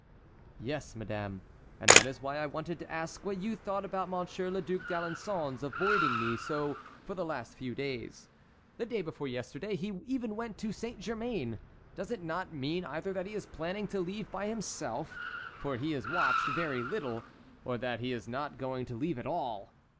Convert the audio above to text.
"Yes, madame, and that is why I wanted to ask what you thought about Monsieur le Duc d'Alençon's avoiding me so for the last few days. The day before yesterday he even went to Saint Germain. Does it not mean either that he is planning to leave by himself, for he is watched very little, or that he is not going to leave at all?